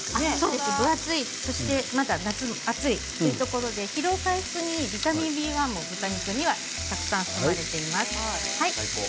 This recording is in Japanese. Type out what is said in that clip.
まだ夏が暑いということで疲労回復にビタミンＢ１も豚肉にはたくさん含まれています。